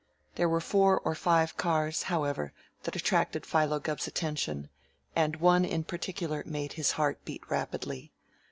There were four or five cars, however, that attracted Philo Gubb's attention, and one in particular made his heart beat rapidly.